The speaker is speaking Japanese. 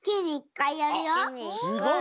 すごい！